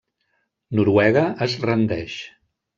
Noruega es rendeix.